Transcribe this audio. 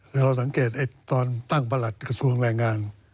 แล้วเราสังเกตตอนตั้งประหลัดกระทรวงแรงงาน